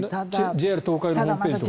ＪＲ東海のホームページとか。